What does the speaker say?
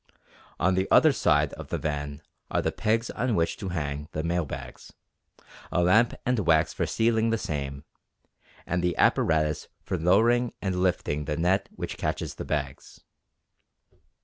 On the other side of the van are the pegs on which to hang the mail bags, a lamp and wax for sealing the same, and the apparatus for lowering and lifting the net which catches the bags.